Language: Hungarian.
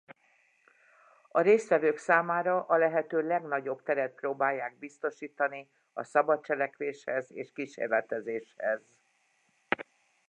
A résztvevők számára a lehető legnagyobb teret próbálják biztosítani a szabad cselekvéshez és kísérletezéshez.